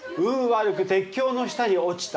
悪く鉄橋の下に落ちた。